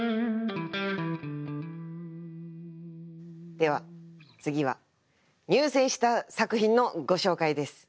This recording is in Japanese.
では次は入選した作品のご紹介です。